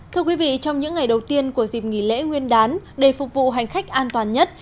thưa quý vị trong những ngày đầu tiên của dịp nghỉ lễ nguyên đán để phục vụ hành khách an toàn nhất